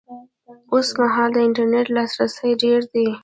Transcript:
اوس مهال د انټرنېټ لاسرسی ډېر دی